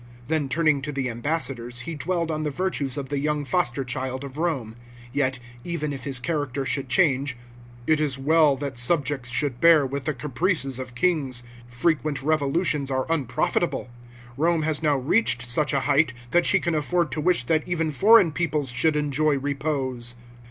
Then turning to the ambassadors, he dwelled on the virtues of the young foster child of Rome. Yet, even if his character should change, " it is well that subjects should bear with the caprices of kings. Frequent revolutions are un profitable. Rome has now reached such a height, that she can afford to wish that even foreign peoples should enjoy repose."